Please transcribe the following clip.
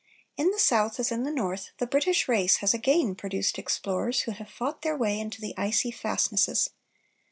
In the South, as in the North, the British race has again produced explorers who have fought their way into the icy fastnesses.